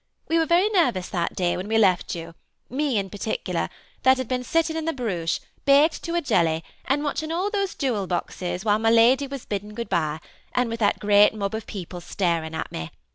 We were very ner vous that day what we left you, me, in particular, that had been sitting in the Bruche, baked to a jelly, and watching all those jewel boxes while my lady was bid ding good bye, and with that great mob of people staring at me.